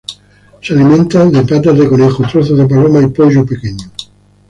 Se alimenta de: patas de conejo, trozos de paloma y pollo pequeño.